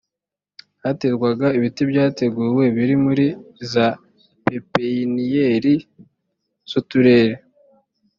haterwaga ibiti byateguwe biri muri za pepeiniyeri z uturere